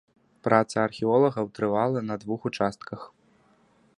Праца археолагаў трывала на двух участках.